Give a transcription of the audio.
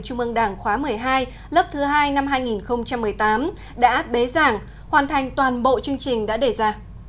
trung ương đảng khóa một mươi hai lớp thứ hai năm hai nghìn một mươi tám đã bế giảng hoàn thành toàn bộ chương trình đã đề ra